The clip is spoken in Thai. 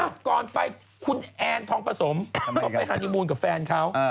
อ้าวก่อนไปคุณแอนท้องผสมเขาไปฮานิมูนกับแฟนเขา